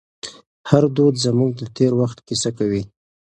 هر دود زموږ د تېر وخت کیسه کوي.